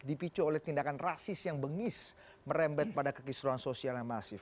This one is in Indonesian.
dipicu oleh tindakan rasis yang bengis merembet pada kekisruan sosial yang masif